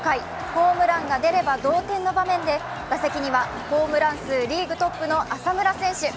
ホームランが出れば同点の場面で打席にはホームラン数リーグトップの浅村選手。